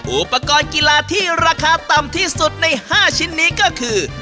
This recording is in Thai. อุปกรณ์กีฬาที่ราคาต่ำที่สุดใน๕ชิ้นนี้ก็คือ